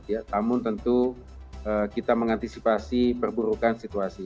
ya namun tentu kita mengantisipasi perburukan situasi